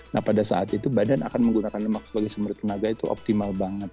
nah pada saat itu badan akan menggunakan lemak sebagai sumber tenaga itu optimal banget